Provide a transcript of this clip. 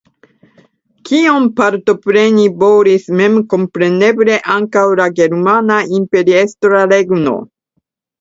Kion partopreni volis memkompreneble ankaŭ la Germana Imperiestra Regno.